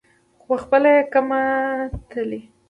خو پخپله یې کمه تلي.